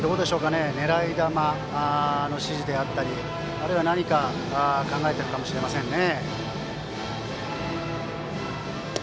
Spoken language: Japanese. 狙い球の指示であったりあるいは何か考えているかもしれませんね。